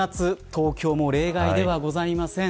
東京も例外ではございません。